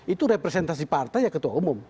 itu representasi partai ya ketua umum